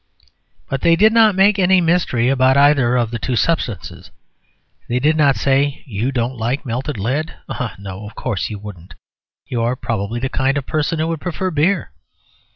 But they did not make any mystery about either of the two substances. They did not say, "You don't like melted lead?.... Ah! no, of course, you wouldn't; you are probably the kind of person who would prefer beer....